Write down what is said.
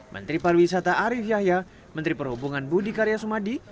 menteri pariwisata arief yahya menteri perhubungan budi karya sumadi